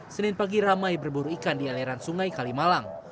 senin pagi ramai berburu ikan di aliran sungai kalimalang